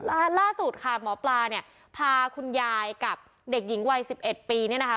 ล่าสุดค่ะหมอปลาเนี่ยพาคุณยายกับเด็กหญิงวัยสิบเอ็ดปีเนี่ยนะคะ